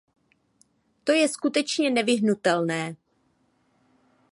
To je skutečně nevyhnutelné.